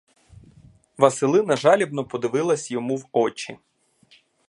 Василина жалібно подивилась йому в очі.